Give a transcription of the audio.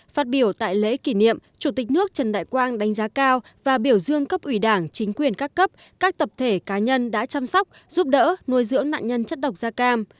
phát biểu tại lễ kỷ niệm chủ tịch nước trần đại quang đánh giá cao và biểu dương cấp ủy đảng chính quyền các cấp các tập thể cá nhân đã chăm sóc giúp đỡ nuôi dưỡng nạn nhân chất độc da cam